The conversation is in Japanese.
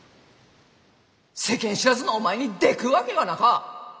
世間知らずのお前にでくっわけがなか！